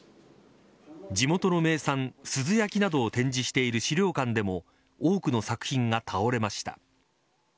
地元の名産珠洲焼などを展示している資料館でも多くの作品が倒れました。